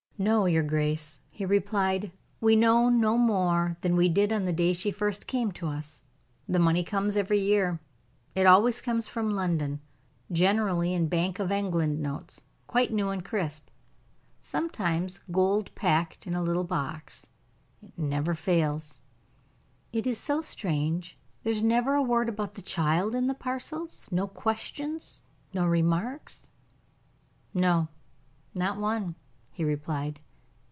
"No, your grace," he replied. "We know no more than we did on the day she first came to us. The money comes every year. It always comes from London, generally in Bank of England notes, quite new and crisp; sometimes gold packed in a little box. It never fails." "It is so strange. There is never a word about the child in the parcels? No questions? No remarks?" "No; not one," he replied.